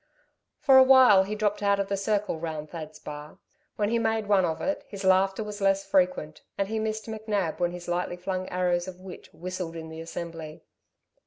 For awhile he dropped out of the circle round Thad's bar. When he made one of it, his laughter was less frequent, and he missed McNab when his lightly flung arrows of wit whistled in the assembly.